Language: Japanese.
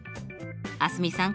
蒼澄さん